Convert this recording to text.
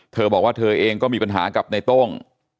เธอบอกว่าเธอเองก็มีปัญหากับในโต้ง